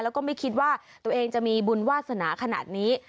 แล้วก็ไม่คิดว่าตัวเองจะมีบุญวาสนาขนาดนี้